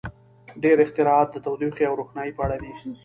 • ډېری اختراعات د تودوخې او روښنایۍ په اړه دي.